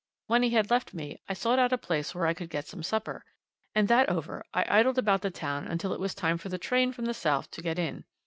When he had left me, I sought out a place where I could get some supper, and, that over, I idled about the town until it was time for the train from the south to get in.